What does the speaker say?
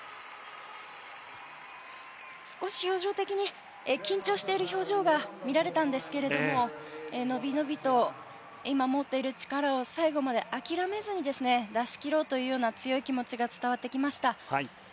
少し表情的に緊張している表情が見られたんですけども伸び伸びと今、持っている力を最後まで諦めずに出し切ろうというような強い気持ちが伝わってきました。